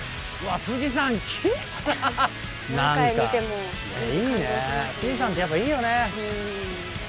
富士山ってやっぱいいよね。